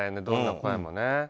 どんな声もね。